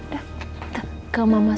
dah ke mama sama papa